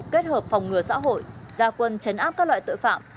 kết hợp phòng ngừa xã hội gia quân chấn áp các loại tội phạm